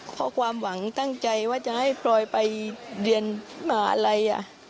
เพราะความหวังตั้งใจว่าจะให้พลอยไปเรียนมหาลัย